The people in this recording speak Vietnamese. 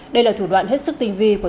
đây là thủ đoạn hết sức tinh vi của